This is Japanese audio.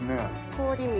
氷水。